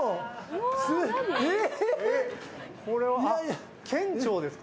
これは。